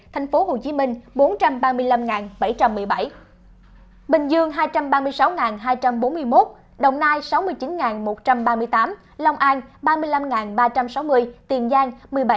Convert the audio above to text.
thành phố hồ chí minh bốn trăm ba mươi năm bảy trăm một mươi bảy bình dương hai trăm ba mươi sáu hai trăm bốn mươi một đồng nai sáu mươi chín một trăm ba mươi tám long an ba mươi năm ba trăm sáu mươi tiền giang một mươi bảy bốn trăm bảy mươi chín